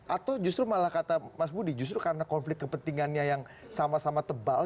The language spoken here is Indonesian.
atau justru malah kata mas budi justru karena konflik kepentingannya yang sama sama tebal